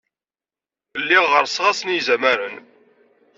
Lliɣ ɣerrseɣ-asen i yizamaren.